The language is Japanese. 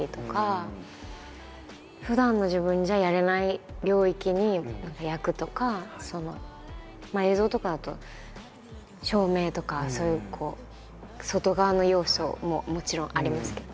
ふだんの自分じゃやれない領域に何か役とか映像とかだと照明とかそういう外側の要素ももちろんありますけど。